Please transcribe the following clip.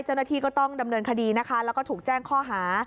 เจ้าหน้าที่ก็ต้องดำเนินคดีนะคะแล้วก็ถูกแจ้งข้อหา